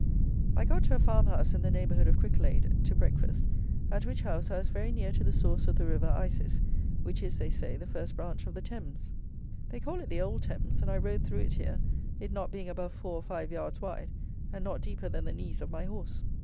I got to a farmhouse in the neighbourhood of Cricklade, to breakfast, at which house I was very near to the source of the river Isis, which is, they say, the first branch of the Thames. They call it the "Old Thames," and I rode through it here, it not being above four or five yards wide, and not deeper than the knees of my horse.